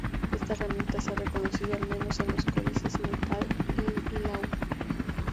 Esta herramienta se ha reconocido al menos en los códices Nuttall y Laud.